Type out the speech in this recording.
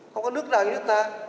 không có nước nào như nước ta